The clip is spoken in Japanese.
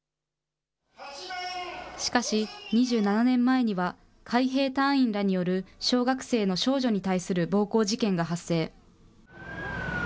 しかし、２７年前には、海兵隊員らによる小学生の少女に対する暴行事件が発生。